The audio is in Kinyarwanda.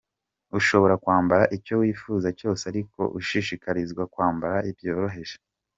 Ushobora kwambara icyo wifuza cyose ariko ushishikarizwa kwambara byoroheje.